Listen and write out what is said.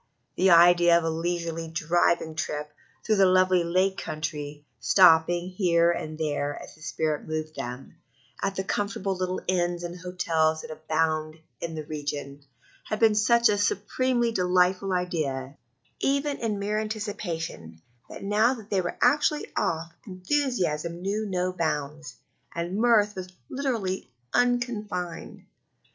The idea of a leisurely driving trip through the lovely Lake Country, stopping here and there, as the spirit moved them, at the comfortable little inns and hotels that abound in the region, had been such a supremely delightful idea, even in mere anticipation, that now that they were actually off enthusiasm knew no bounds, and mirth was literally unconfined.